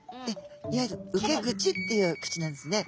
いわゆる受け口っていう口なんですね。